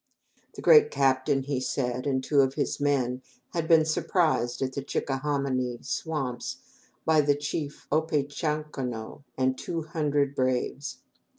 "The 'great captain,'" he said, "and two of his men had been surprised in the Chicka hominy swamps by the chief O pe chan ca nough and two hundred braves.